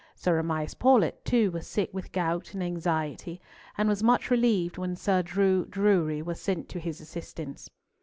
Sir Amias Paulett, too, was sick with gout and anxiety, and was much relieved when Sir Drew Drury was sent to his assistance.